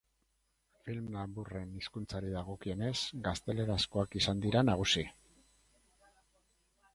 Film laburren hizkuntzari dagokionez, gaztelerazkoak izan dira nagusi.